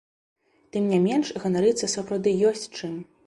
Тым не менш ганарыцца сапраўды ёсць чым.